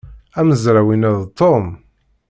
Amezraw-inna d Tom.